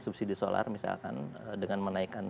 subsidi solar misalkan dengan menaikkan